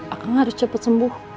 akang harus cepet sembuh